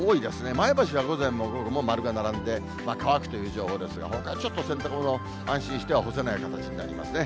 前橋は午前も午後も丸が並んで、乾くという情報ですが、ほかはちょっと洗濯物、安心しては干せない形になりますね。